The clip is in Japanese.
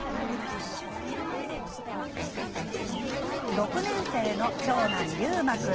６年生の長男、ゆうま君。